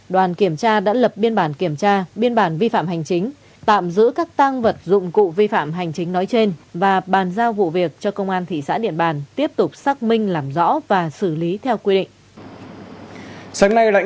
đoàn kiểm tra đã lập biên bản kiểm tra biên bản vi phạm hành chính tạm giữ các tăng vật dụng cụ vi phạm hành chính nói trên và bàn giao vụ việc cho công an thị xã điện bàn tiếp tục xác minh làm rõ và xử lý theo quy định